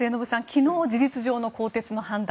昨日、事実上の更迭の判断。